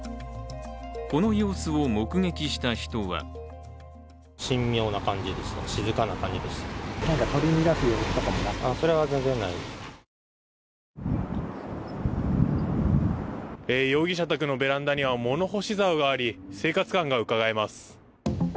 この様子を目撃した人は容疑者宅のベランダには物干しざおがあり生活感がうかがえます。